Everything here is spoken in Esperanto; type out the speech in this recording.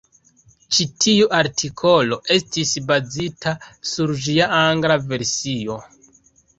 Ĉi tiu artikolo estis bazita sur ĝia angla versio.